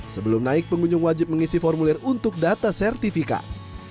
sebelum naik pengunjung wajib mengisi formulir untuk data sertifikat